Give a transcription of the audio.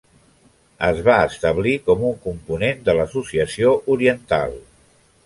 Es va establir com un component de l'Associació Oriental.